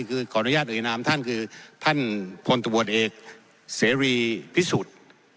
คือขออนุญาตเอ่ยนามท่านคือท่านพลตำรวจเอกเสรีพิสุทธิ์